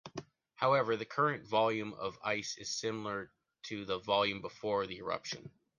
However, the current volume of ice is similar to the volume before the eruption.